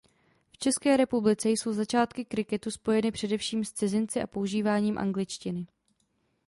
V České republice jsou začátky kriketu spojeny především s cizinci a používáním angličtiny.